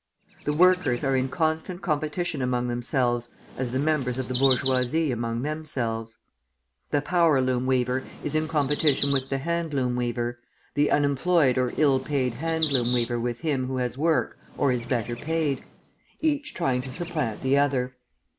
The workers are in constant competition among themselves as the members of the bourgeoisie among themselves. The power loom weaver is in competition with the hand loom weaver, the unemployed or ill paid hand loom weaver with him who has work or is better paid, each trying to supplant the other.